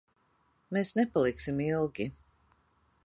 Mēs nepaliksim ilgi.